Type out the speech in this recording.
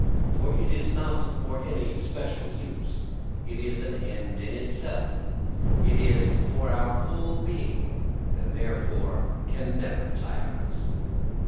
For it is not for any special use. It is an end in itself; it is for our whole being and therefore can never tire us.